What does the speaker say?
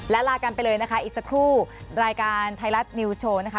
และลากันไปเลยนะคะอีกสักครู่รายการไทยรัฐนิวสโชว์นะคะ